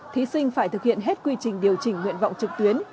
thí sinh phải thực hiện hết quy trình điều chỉnh nguyện vọng trực tuyến